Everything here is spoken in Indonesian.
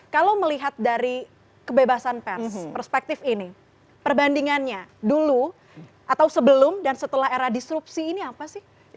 kalau melihat dari kebebasan pers perspektif ini perbandingannya dulu atau sebelum dan setelah era disrupsi ini apa sih